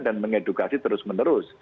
dan mengedukasi terus menerus